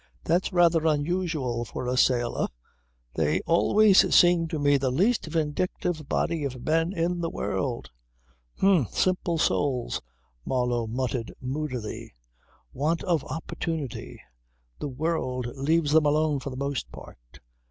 "That's rather unusual for a sailor. They always seemed to me the least vindictive body of men in the world." "H'm! Simple souls," Marlow muttered moodily. "Want of opportunity. The world leaves them alone for the most part.